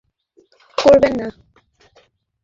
ছেলেমানুষি করবেন না।